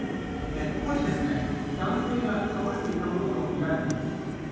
ここに男性が倒れていたものとみられています。